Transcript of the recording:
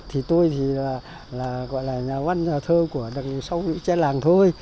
thì tôi thì là gọi là nhà văn nhà thơ của đặc nữ sâu đặc nữ cha làng thôi